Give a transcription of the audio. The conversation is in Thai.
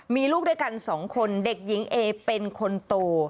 มีลูกด้วยกันสองคนเด็กหญิงเอเป็นคนโต